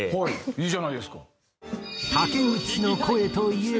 いいじゃないですか。